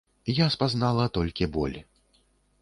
Я спазнала толькі боль.